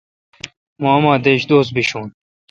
مہ اماں دش دوس بشون۔